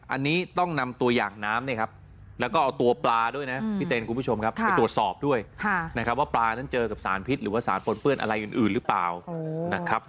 อันนี้ต้องนำตัวอย่างน้ำเนี่ยครับแล้วก็เอาตัวปลาด้วยนะพี่เต้นคุณผู้ชมครับไปตรวจสอบด้วยนะครับว่าปลานั้นเจอกับสารพิษหรือว่าสารปนเปื้อนอะไรอื่นหรือเปล่านะครับ